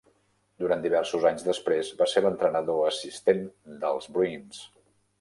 Durant diversos anys després, va ser l'entrenador assistent dels Bruins.